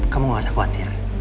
kamu gak usah khawatir